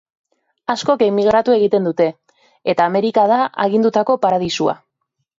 Askok emigratu nahi dute eta Amerika da agindutako paradisua.